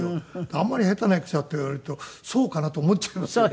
あんまり下手な役者って言われるとそうかなと思っちゃいますよね。